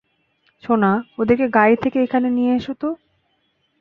সোনা, ওদেরকে গাড়ি থেকে এখানে নিয়ে এসো তো।